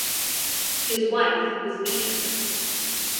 His wife was Beatrix.